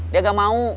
dia gak mau